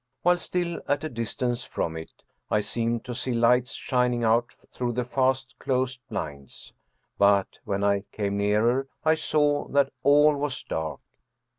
While still at a distance from it, I seemed to see lights shining out through the fast closed blinds, but when I came nearer I saw that all was dark.